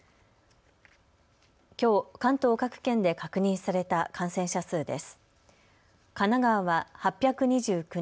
きょう関東各県で確認された感染者数です。